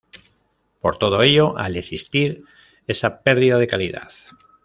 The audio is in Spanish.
Por todo ello, al existir esa pérdida de calidad